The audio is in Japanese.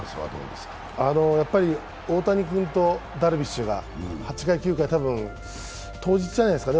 大谷君とダルビッシュが８回９回多分、当日じゃないですかね